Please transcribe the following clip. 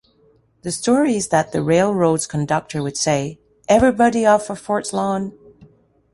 The story is that the railroad's conductor would say, Everybody off for Fort's Lawn!